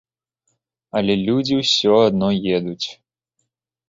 Але людзі ўсё адно едуць.